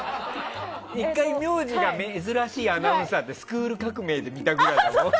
１回、名字が珍しいアナウンサーっていうので「スクール革命！」で見たぐらいで。